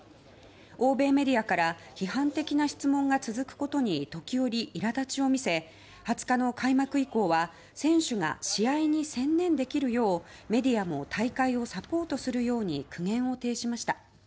欧米メディアから批判的な質問が続くことに時折、いら立ちを見せ２０日の開幕以降は選手が試合に専念できるようメディアも大会をサポートするように苦言を呈しました。